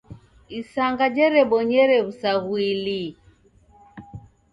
Isanga jerebonyere w'usaghui lii?